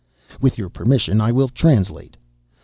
With your permission, I will translate.